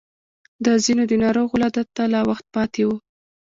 د ځينو د ناروغ ولادت ته لا وخت پاتې و.